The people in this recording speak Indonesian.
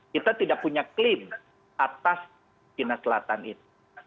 kita tidak punya klaim atas china selatan itu